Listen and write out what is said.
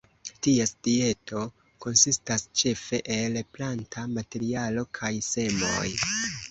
Ties dieto konsistas ĉefe el planta materialo kaj semoj.